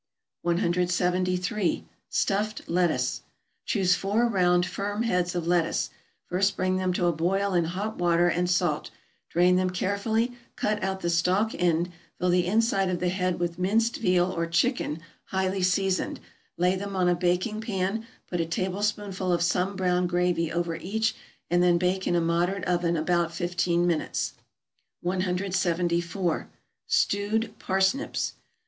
173. =Stuffed Lettuce.= Choose four round firm heads of lettuce, first bring them to a boil in hot water and salt, drain them carefully, cut out the stalk end, fill the inside of the head with minced veal or chicken highly seasoned, lay them on a baking pan, put a tablespoonful of some brown gravy over each, and then bake in a moderate oven about fifteen minutes. 174. =Stewed Parsnips.